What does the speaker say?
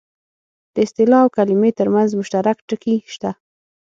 د اصطلاح او کلمې ترمنځ مشترک ټکي شته